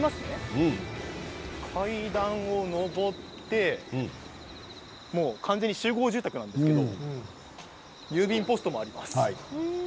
階段を上って完全に集合住宅なんですけど郵便ポストもあります。